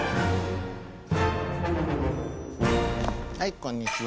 はいこんにちは。